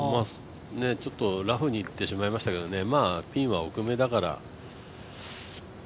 ラフにいってしまいましたけどピンは奥目だから。